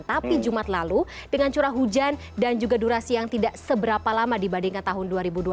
tapi jumat lalu dengan curah hujan dan juga durasi yang tidak seberapa lama dibandingkan tahun dua ribu dua puluh